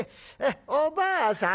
おばあさん